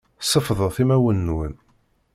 Sefḍet imawen-nwen.